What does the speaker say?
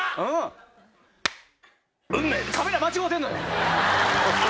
カメラ間違うてんのよ！